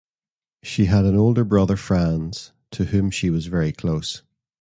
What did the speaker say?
She had an older brother, Franz, to whom she was very close.